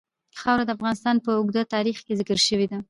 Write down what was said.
خاوره د افغانستان په اوږده تاریخ کې ذکر شوې ده.